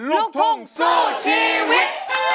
ลูกทุ่งสู้ชีวิต